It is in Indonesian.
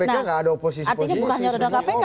artinya bukan hanya undang undang kpk